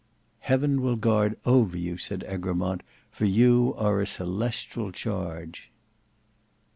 "Heaven will guard over you!" said Egremont, "for you are a celestial charge."